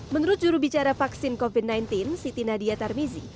menurut jurubicara vaksin covid sembilan belas siti nadia tarmizi